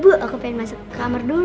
bu aku pengen masuk kamar dulu